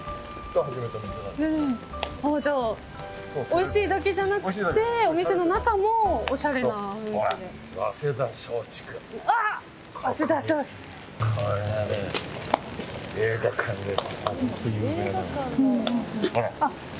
おいしいだけじゃなくてお店の中もおしゃれな雰囲気で。